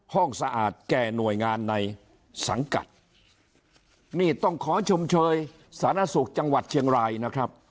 สะอาดแก่หน่วยงานในสังกัดนี่ต้องขอชมเชยสารสุขจังหวัดเชียงรายนะครับ